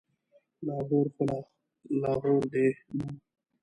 لاهور خو لاهور دی نو.